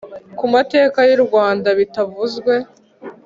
ku mateka y u Rwanda bitavuzwe